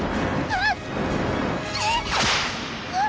あっ！